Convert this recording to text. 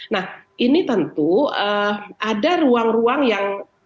nah ini tentu ada ruang ruang yang